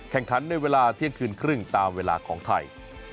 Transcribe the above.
แข่งขันในเวลาเที่ยงคืนครึ่งตามเวลาของไทย